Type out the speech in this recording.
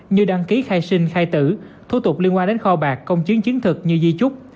như đăng ký khai sinh khai tử thu tục liên quan đến kho bạc công chứng chiến thực như di chúc